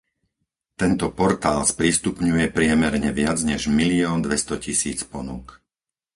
Tento portál sprístupňuje priemerne viac než milión dvestotisíc ponúk.